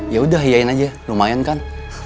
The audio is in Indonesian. yaudah hiain aja lumayan kan